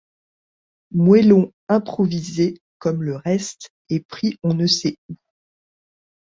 Moellons improvisés comme le reste, et pris on ne sait où.